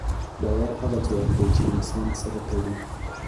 باور هغه ځواک دی، چې انسانان سره تړي.